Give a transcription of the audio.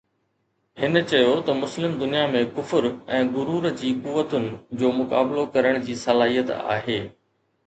هن چيو ته مسلم دنيا ۾ ڪفر ۽ غرور جي قوتن جو مقابلو ڪرڻ جي صلاحيت آهي